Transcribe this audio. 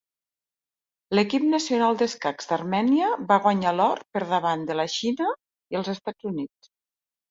L'equip nacional d'escacs d'Armènia va guanyar l'or per davant de la Xina i els Estats Units.